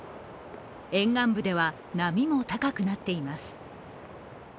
沿岸部では波も高くなっています。